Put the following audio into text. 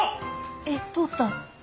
えっ通った。